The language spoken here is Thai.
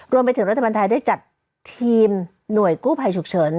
รวมไปถึงรัฐบาลไทยได้จัดทีมหน่วยกู้ภัยฉุกเฉิน